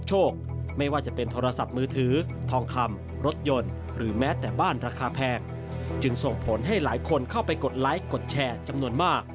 ส่งผลให้หลายคนเข้าไปกดไลค์กดแชร์จำนวนมาก